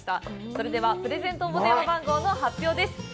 それではプレゼント応募電話番号の発表です。